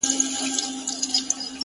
وي د غم اوږدې كوڅې په خامـوشۍ كي،